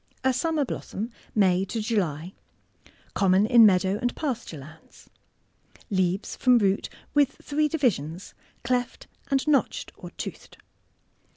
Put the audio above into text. A summer blossom— May to July. Conmioii in meadow and pasture lands. Leaves from root— with three divisions cleft and notched or toothed.